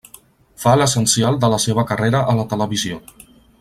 Fa l'essencial de la seva carrera a la televisió.